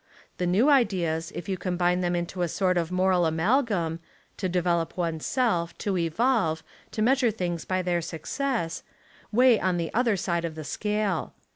The new ideas, if you combine them in a sort of moral amalgam — to develop one's self, to evolve, to measure things by their suc cess — weigh on the other side of the scale.